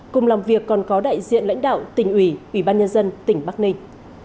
cùng làm việc còn có đại diện lãnh đạo tỉnh ủy ủy ban nhân dân tỉnh bắc ninh